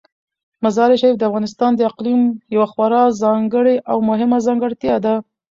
مزارشریف د افغانستان د اقلیم یوه خورا ځانګړې او مهمه ځانګړتیا ده.